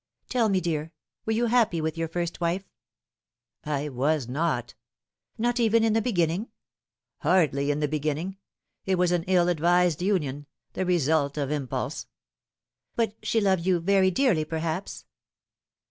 " Tell me, dear, were you happy with your first wife ?"" I was not." " Not even in the beginning ?"" Hardly in the beginning. It was an ill advised union, the result of impulse." " But she loved you very dearly, perhaps."